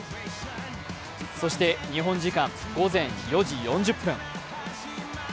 そして日本時間午前４時４０分。